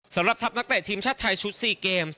สำหรับทัพนักเตะทีมชาติไทยชุด๔เกมส